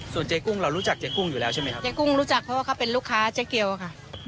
เจ๊กุ้งเรารู้จักเจ๊กุ้งอยู่แล้วใช่ไหมครับเจ๊กุ้งรู้จักเพราะว่าเขาเป็นลูกค้าเจ๊เกียวค่ะ